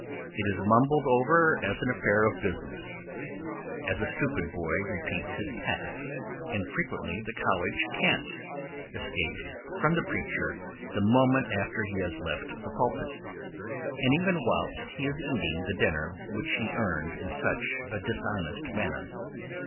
It is mumbled over as an affair of business, as a stupid boy repeats his task, and frequently the college cant escapes from the preacher the moment after he has left the pulpit, and even whilst he is eating the dinner which he earned in such a dishonest manner.